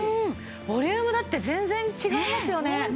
ボリュームだって全然違いますよね。